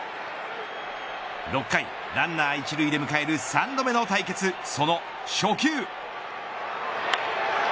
６回、ランナー１塁で迎える３度目の対決その初球。